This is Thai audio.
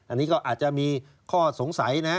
อันนี้ก็อาจจะมีข้อสงสัยนะ